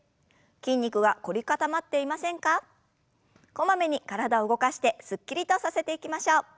こまめに体を動かしてすっきりとさせていきましょう。